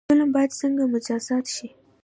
ظالم باید څنګه مجازات شي؟